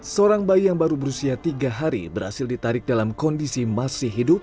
seorang bayi yang baru berusia tiga hari berhasil ditarik dalam kondisi masih hidup